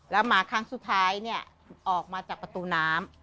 แล้วมาครั้งสุดท้ายเนี่ยออกมาจากประตูน้ำ